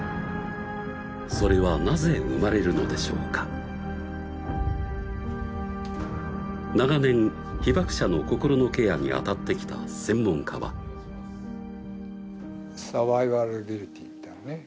それはなぜ生まれるのでしょうか長年被爆者の心のケアに当たってきた専門家はみたいなね